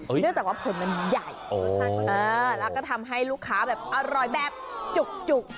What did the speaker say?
เนื่องจากว่าผลมันใหญ่มากแล้วก็ทำให้ลูกค้าแบบอร่อยแบบจุก